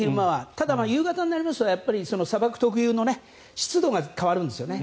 ただ、夕方になりますと砂漠特有の湿度が変わるんですよね。